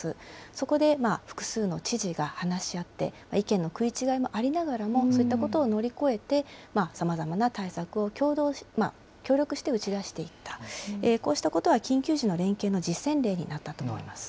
そこで複数の知事が話し合って、意見の食い違いもありながらも、そういったことを乗り越えて、さまざまな対策を協力して打ち出していった、こうしたことは、緊急時の連携の実践例になったと思います。